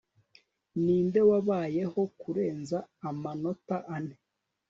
Ninde wabayeho kurenza amanota ane